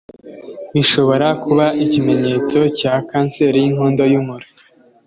bishobora kuba ikimenyetso cya kanseri y'inkondo y'umura.